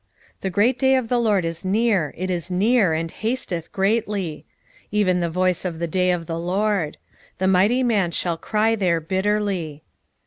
1:14 The great day of the LORD is near, it is near, and hasteth greatly, even the voice of the day of the LORD: the mighty man shall cry there bitterly.